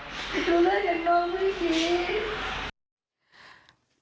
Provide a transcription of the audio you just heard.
รู้เรื่องจากน้องเมื่อกี้